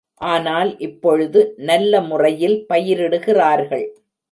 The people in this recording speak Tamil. ஆனல் இப்பொழுது நல்ல முறையில் பயிரிடுகிறார்கள்.